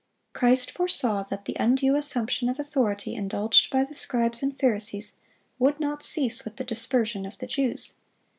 Christ foresaw that the undue assumption of authority indulged by the scribes and Pharisees would not cease with the dispersion of the Jews.